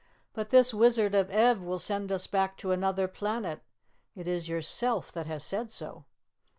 "But this Wizard of Ev will send us back to Anuther Planet. It is yourself that has said so."